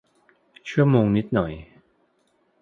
ชั่วโมงนิดหน่อย